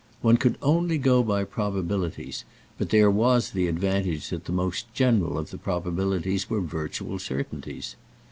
One could only go by probabilities, but there was the advantage that the most general of the probabilities were virtual certainties.